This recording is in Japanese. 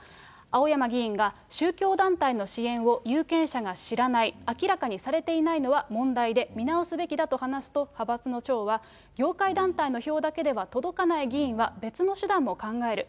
青山議員が、宗教団体の支援を有権者が知らない、明らかにされていないのは問題で、見直すべきだと話すと、派閥の長は、業界団体の票だけでは届かない議員は、別の手段も考える。